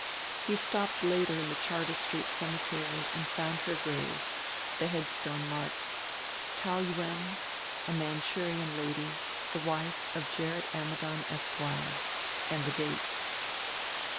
He stopped later in the Charter Street cemetery and found her grave, the headstone marked: TAOU YUEN A MANCHURIAN LADY THE WIFE OF GERRIT AMMIDON, ESQ. and the dates.